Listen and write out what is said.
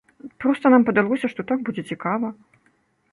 Проста нам падалося, што так будзе цікава.